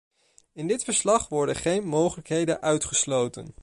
In dit verslag worden geen mogelijkheden uitgesloten.